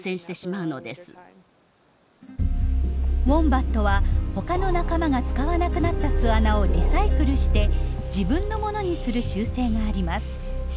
ウォンバットはほかの仲間が使わなくなった巣穴をリサイクルして自分のものにする習性があります。